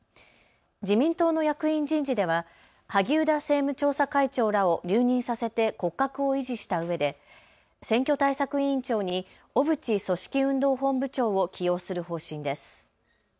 自民党の役員人事では萩生田政務調査会長らを留任させて骨格を維持したうえで選挙対策委員長に小渕組織運動本部長を起用する方針です。